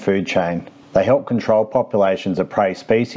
mereka membantu mengawal populasi spesies hiu